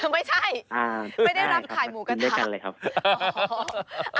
ไม่ใช่ไม่ได้รับข่ายหมูกระทะ